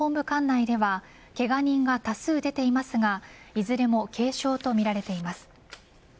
管内ではけが人が多数出ていますがいずれも軽傷とみられています。